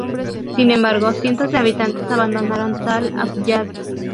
Sin embargo, cientos de habitantes abandonaron Tal Abyad.